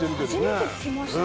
初めて聞きました。